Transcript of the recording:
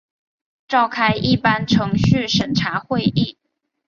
召开一般程序审查会议